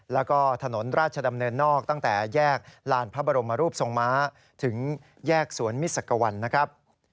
แล้วก็ถนนราชดำเนินนอกตั้งแต่แยกลานพระบรมรูปทรงม้าถึงแยกสวนมิสักวันนะครับ